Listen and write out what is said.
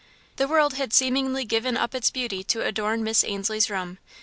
The world had seemingly given up its beauty to adorn Miss Ainslie's room.